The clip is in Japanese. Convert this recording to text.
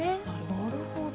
なるほど。